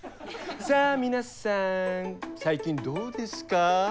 さあ皆さん最近どうですか？